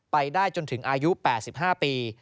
ไปได้จนถึงอายุ๘๕ปี